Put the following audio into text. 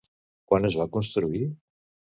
Quan es va construir?